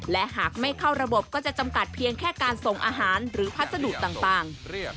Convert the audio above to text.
และหากไม่เข้าระบบก็จะจำกัดเพียงแค่การส่งอาหารหรือพัสดุต่าง